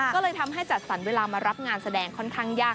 ก็เลยทำให้จัดสรรเวลามารับงานแสดงค่อนข้างยาก